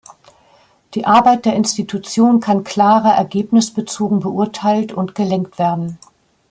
Die Arbeit der Institution kann klarer ergebnisbezogen beurteilt und gelenkt werden.